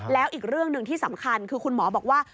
แล้วอีกเรื่องหนึ่งที่สำคัญคือคุณหมอบอกว่า